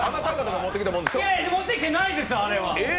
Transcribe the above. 持ってきてないです、あれは。